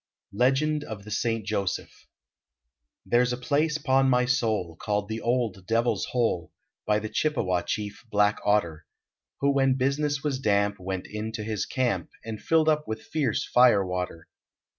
LEGEND OF THE ST. JOSEPH There s a place, pon my soul, Called the "Old Devil s Hole," By the Chippewa chief, Black Otter, Who when business was damp Went into his camp, And filled up with fierce fire water.